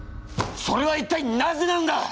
それは一体なぜなんだ！？